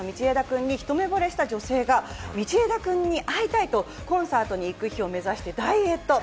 なにわ男子の道枝君に一目惚れした女性が道枝君に会いたいと、コンサートに行く日を目指してダイエット！